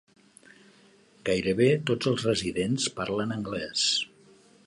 Gairebé tots els residents parlen anglès.